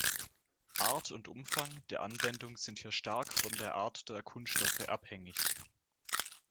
Art und Umfang der Anwendung sind hier stark von der Art der Kunststoffe abhängig.